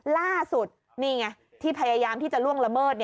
ล่าสุดนี่ไงที่พยายามที่จะล่วงละเมิด